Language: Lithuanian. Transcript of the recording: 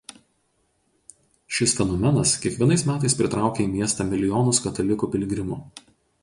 Šis fenomenas kiekvienais metais pritraukia į miestą milijonus katalikų piligrimų.